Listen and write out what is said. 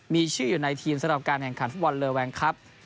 มีชื่ออยู่ในทีมสำหรับการแข่งขันฟุตบอลเลอแวงครับ